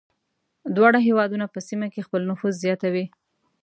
دواړه هېوادونه په سیمه کې خپل نفوذ زیاتوي.